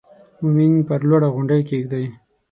مومن پر لوړه غونډۍ کېږدئ.